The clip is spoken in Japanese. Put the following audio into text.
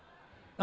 あ。